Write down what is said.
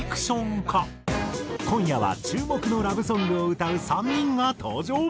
今夜は注目のラブソングを歌う３人が登場。